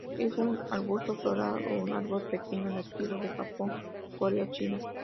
Es un arbusto floral o un árbol pequeño, nativo de Japón, Corea, China.